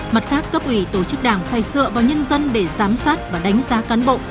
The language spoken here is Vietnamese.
mặt khác cấp ủy tổ chức đảng phải sợ vào nhân dân để giám sát và đánh giá cán bộ